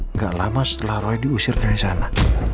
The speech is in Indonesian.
nggak lama setelah roy diusir dari sana